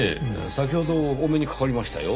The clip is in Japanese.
先ほどお目にかかりましたよ。